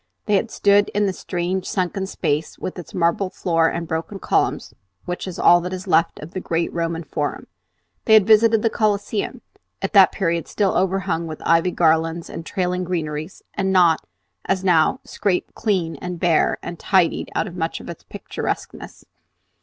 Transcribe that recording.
They had stood in the strange sunken space with its marble floor and broken columns, which is all that is left of the great Roman Forum. They had visited the Coliseum, at that period still overhung with ivy garlands and trailing greeneries, and not, as now, scraped clean and bare and "tidied" out of much of its picturesqueness.